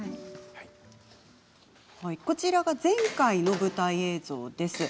こちらは前回の舞台の映像です。